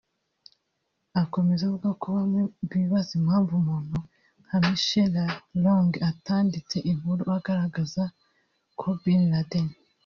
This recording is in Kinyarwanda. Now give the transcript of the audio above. Akomeza avuga ko bamwe bibaza impamvu umuntu nka Michela Wrong atanditse inkuru agaragaza ko Bin Laden